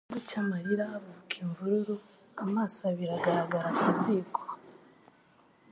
Kuva mu gihugu cy'amarira havuka imvururu'amaso abiri agaragara ku ziko